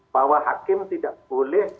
bahwa hakim tidak boleh